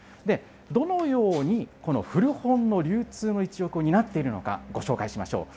どのようにこの古本の流通の一翼を担っているのか、ご紹介しましょう。